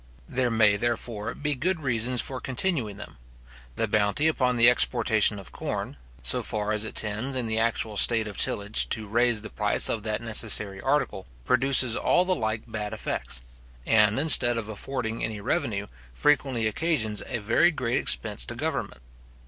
There may, therefore, be good reasons for continuing them. The bounty upon the exportation of corn, so far as it tends, in the actual state of tillage, to raise the price of that necessary article, produces all the like bad effects; and instead of affording any revenue, frequently occasions a very great expense to government.